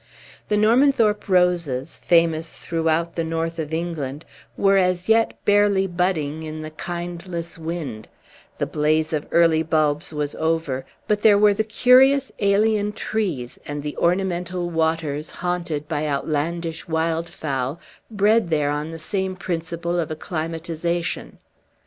The Normanthorpe roses, famous throughout the north of England, were as yet barely budding in the kindless wind; the blaze of early bulbs was over; but there were the curious alien trees, and the ornamental waters haunted by outlandish wildfowl, bred there on the same principle of acclimatization.